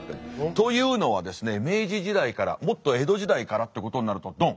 というのはですね明治時代からもっと江戸時代からってことになるとドン。